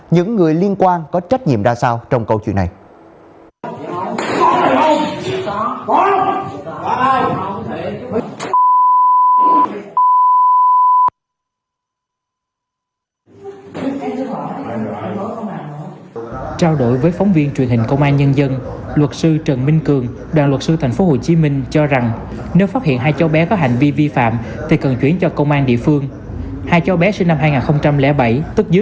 những người liên quan có trách nhiệm ra sao trong câu chuyện này